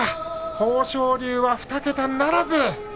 豊昇龍は２桁ならず。